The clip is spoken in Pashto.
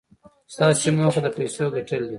ستاسې موخه د پيسو ګټل دي.